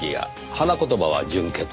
花言葉は純潔。